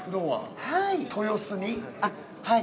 ◆はい。